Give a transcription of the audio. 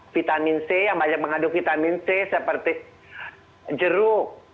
vitamin c yang banyak mengandung vitamin c seperti jeruk